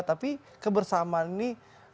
tapi kebersamaan ini